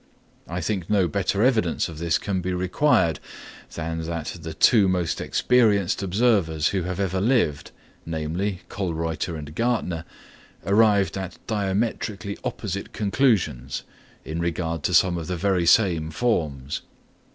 I think no better evidence of this can be required than that the two most experienced observers who have ever lived, namely Kölreuter and Gärtner, arrived at diametrically opposite conclusions in regard to some of the very same forms.